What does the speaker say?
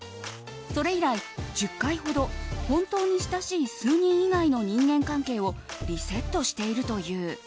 それ以来、１０回ほど本当に親しい数人以外の人間関係をリセットしているという。